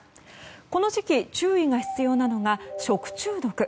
この時期、注意が必要なのが食中毒。